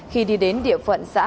khi đi đến địa phận xã